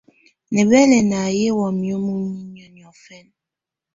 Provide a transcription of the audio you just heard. Nɛ̀bɛlɛnà nɛ̀ wamɛ̀á muninyǝ́ niɔ̀fɛna.